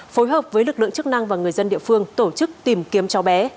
phối hợp với lực lượng chức năng và người dân địa phương tổ chức tìm kiếm cháu bé